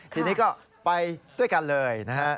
ทีนี้ก็ไปด้วยกันเลยนะฮะ